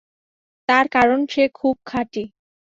তার কারণ সে খুব খাঁটি।